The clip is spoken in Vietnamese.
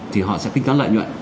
thì họ sẽ kinh toán lợi nhuận